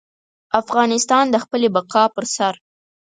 افغانستان د خپلې بقا پر سر.